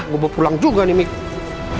gue mau pulang juga nih